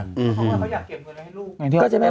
เพราะว่าเขาอยากเก็บเงินไว้ให้ลูกไง